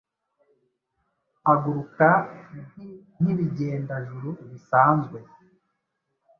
aguruka nk’nk’ibigendajuru bisanzwe